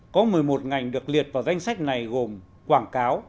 có một mươi một ngành được liệt vào danh sách này gồm quảng cáo